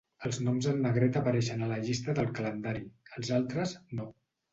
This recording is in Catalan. Els noms en negreta apareixen a la llista del calendari; els altres, no.